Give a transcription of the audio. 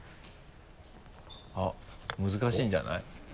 あっ難しいんじゃない？